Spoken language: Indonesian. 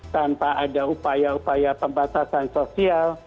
tanpa ada upaya upaya pembatasan sosial